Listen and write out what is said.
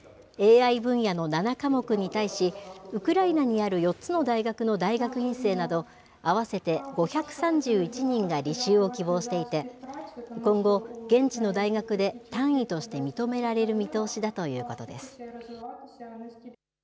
ＡＩ分野の７科目に対し、ウクライナにある４つの大学の大学院生など、合わせて５３１人が履修を希望していて、今後、現地の大学で単位として認められる見通しだということです。